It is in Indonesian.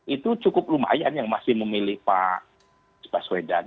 itu cukup lumayan yang masih memilih pak busway dan